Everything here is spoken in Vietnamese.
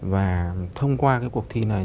và thông qua cái cuộc thi này